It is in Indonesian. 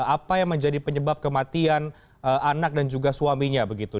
apa yang menjadi penyebab kematian anak dan juga suaminya begitu